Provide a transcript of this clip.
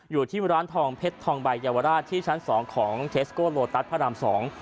อยู่ที่ร้านทองเพชรทองใบเยาวราชที่ชั้นสองของเทสโกโลตัสพระรามสอง